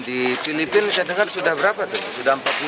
di filipina sudah berapa tuh sudah empat puluh lima derajat ya